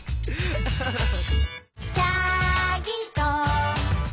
アハハハ。